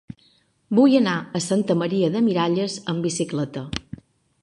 Vull anar a Santa Maria de Miralles amb bicicleta.